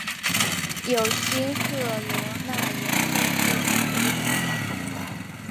有经赫罗纳延伸至法国的计划。